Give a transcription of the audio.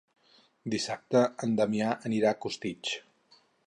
Dissabte en Damià anirà a Costitx.